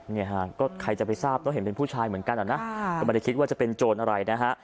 เนี่ยฮะก็ใครจะไปทราบแล้วเห็นเป็นผู้ชายเหมือนกันอ่ะนะก็ไม่ได้คิดว่าจะเป็นโจรอะไรนะฮะ